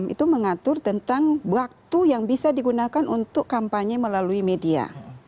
dua ratus tujuh puluh enam itu mengatur tentang waktu yang bisa digunakan untuk kampanye melalui media